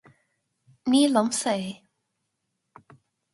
ní liomsa é